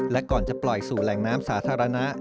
และก่อนจะปล่อยสู่แหล่งน้ำสาธารณะ